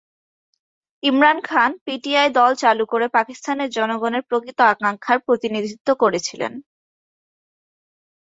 Imran Khan PTI দল চালু করে পাকিস্তানের জনগণের প্রকৃত আকাঙ্ক্ষার প্রতিনিধিত্ব করেছিলেন।